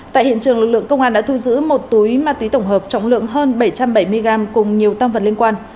tại hiện trường lực lượng công an đã thu giữ một túi ma túy tổng hợp trọng lượng hơn bảy trăm bảy mươi gram cùng nhiều tăng vật liên quan